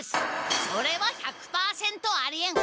それは１００％ありえん！